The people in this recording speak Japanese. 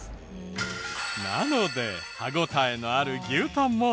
なので歯応えのある牛タンも。